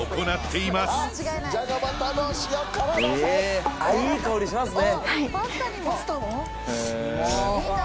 いい香りしますね。